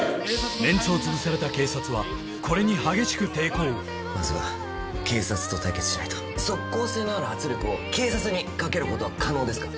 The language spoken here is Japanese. メンツを潰された警察はこれに激しく抵抗まずは警察と対決しないと即効性のある圧力を警察にかけることは可能ですか？